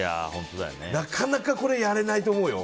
なかなかやれないと思うよ。